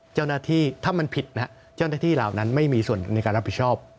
เจ้าหน้าที่ถ้ามันผิดนะฮะเจ้าหน้าที่เหล่านั้นไม่มีส่วนในการรับผิดชอบ